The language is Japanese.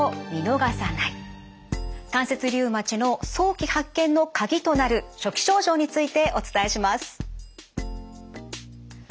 関節リウマチの早期発見のカギとなる初期症状についてお伝えします。